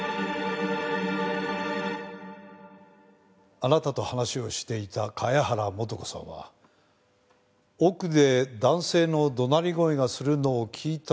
あなたと話をしていた茅原素子さんは奥で男性の怒鳴り声がするのを聞いたと証言しています。